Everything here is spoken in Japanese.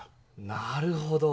なるほど。